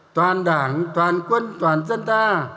toàn đảng toàn quân toàn dân ta